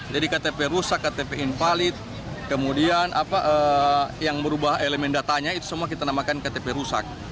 jadi ktp rusak ktp infalid kemudian yang merubah elemen datanya itu semua kita namakan ktp rusak